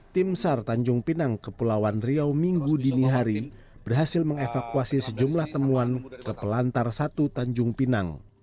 timsar tanjung pinang ke pulauan riau minggu dini hari berhasil mengevakuasi sejumlah temuan ke pelantar satu tanjung pinang